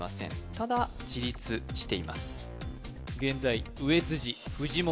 ただ自立しています